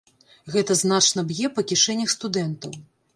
Гэта значна б'е па кішэнях студэнтаў.